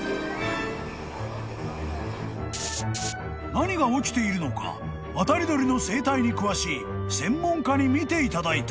［何が起きているのか渡り鳥の生態に詳しい専門家に見ていただいた］